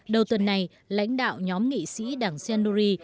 đầu tuần này lãnh đạo nhóm nghị sĩ đảng sendori